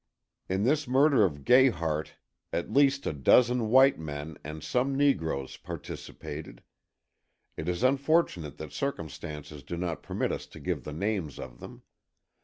In this murder of Gayhart at least a dozen white men and some negroes participated. It is unfortunate that circumstances do not permit us to give the names of them.